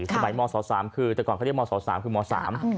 สมัยมศ๓คือแต่ก่อนเขาเรียกมศ๓คือม๓